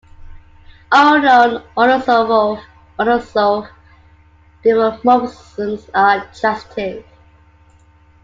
All known Anosov diffeomorphisms are transitive.